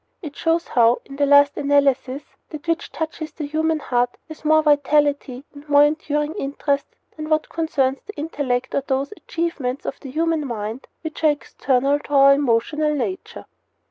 It shows how, in the last analysis, that which touches the human heart has more vitality and more enduring interest than what concerns the intellect or those achievements of the human mind which are external to our emotional nature.